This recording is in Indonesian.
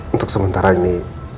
untuk sementara ini